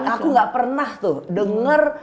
aku enggak pernah tuh dengar